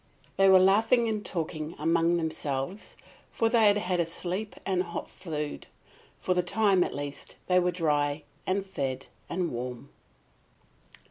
They were laughing and talking among themselves, for they had had a sleep and hot food; for the time at least they were dry and fed and warm.